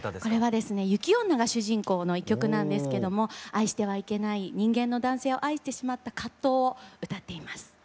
これはですね雪女が主人公の一曲なんですけども愛してはいけない人間の男性を愛してしまった葛藤を歌っています。